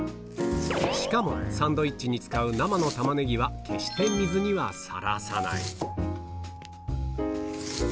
しかもサンドイッチに使う生のタマネギは、決して水にはさらさない。